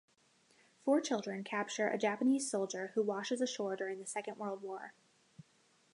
Four children capture a Japanese soldier who washes ashore during the Second World War.